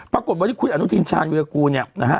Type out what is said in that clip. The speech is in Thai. ปรากฏว่าที่คุณอนุทินชาญอยู่กับกูเนี่ยนะฮะ